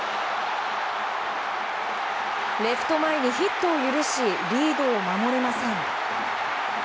レフト前にヒットを許しリードを守れません。